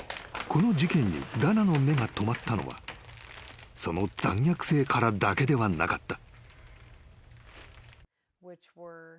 ［この事件にダナの目が留まったのはその残虐性からだけではなかった］